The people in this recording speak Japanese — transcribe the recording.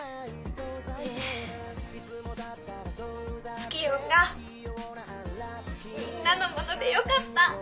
ツキヨンがみんなのものでよかった！